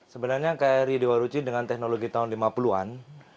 sebenarnya kri dewa ruci dengan teknologi tahun lima puluh an